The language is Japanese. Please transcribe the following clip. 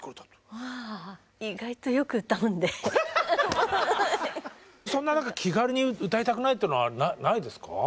ハハハハハそんな何か気軽に歌いたくないっていうのはないですか？